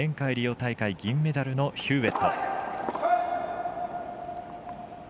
大会銀メダルのヒューウェット。